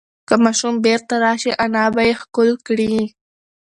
که ماشوم بیرته راشي، انا به یې ښکل کړي.